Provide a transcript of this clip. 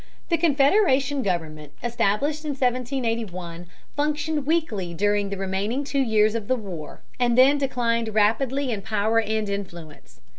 The Confederation government, established in 1781, functioned weakly during the remaining two years of the war, and then declined rapidly in power and influence.